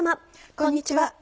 こんにちは。